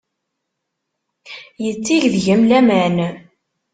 Yetteg deg-m laman.